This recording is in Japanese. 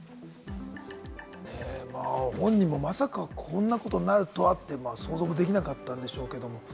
本人もまさか、こんなことになるとはって、想像できなかったんでしょうけれども。